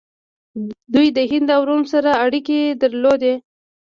دوی د هند او روم سره اړیکې درلودې